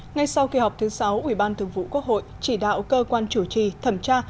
ngay sau kỳ họp thứ sáu ủy ban thường vụ quốc hội chỉ đạo cơ quan chủ trì thẩm tra